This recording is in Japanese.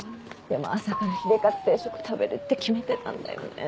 でも朝からヒレカツ定食食べるって決めてたんだよね。